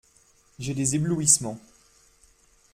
J'ai des éblouissements …